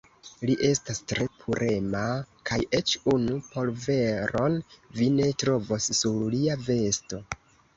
Li estas tre purema, kaj eĉ unu polveron vi ne trovos sur lia vesto.